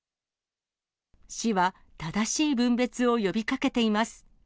市は、正しい分別を呼びかけています。